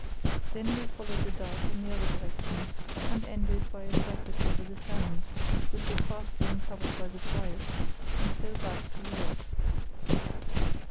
Then we followed the dyke in the other direction, and ended by a circuit over the sands, which were fast being covered by the tide, and so back to the yacht.